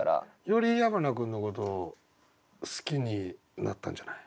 より矢花君のこと好きになったんじゃない？